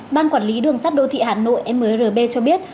ban quản lý đường sắt đô thị hà nội mrb cho biết